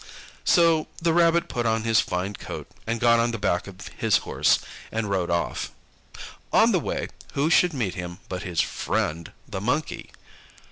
So the Rabbit put on his fine coat, and got on the back of his horse, and rode off. On the way, who should meet him but his friend the Monkey.